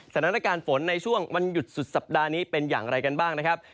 สถานการณ์ฝนในช่วงวันหยุดสุดสัปดาห์นี้เป็นทางอะไรครับ